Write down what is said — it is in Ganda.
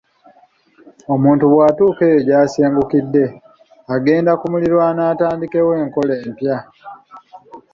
Omuntu bw’atuuka eyo gy’asengukidde, agenda ku miriraano atandikewo enkolagana empya.